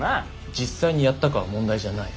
実際にやったかは問題じゃない。